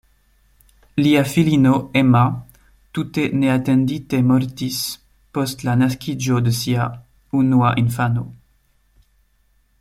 Lia filino "Emma" tute neatendite mortis post la naskiĝo de sia unua infano.